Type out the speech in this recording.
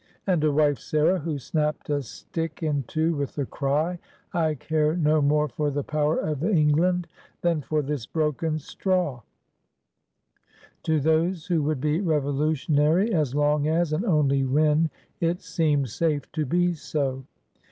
" and a wife Sarah who snapped a stick in two with the cry, "I care no more for the power of England than for this broken straw 1*' — to those who would be revolutionary as long as, and only when, it seemed safe to be so.